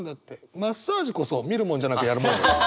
マッサージこそ見るものじゃなくやるもんだ。